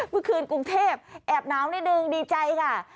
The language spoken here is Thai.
เมื่อคืนกรุงเทพแอบหนาวนิดหนึ่งดีใจค่ะ